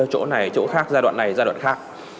chỗ này chỗ khác giai đoạn này giai đoạn khác